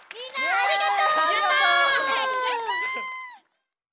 ありがとう！